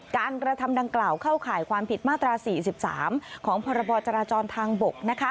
กระทำดังกล่าวเข้าข่ายความผิดมาตรา๔๓ของพรบจราจรทางบก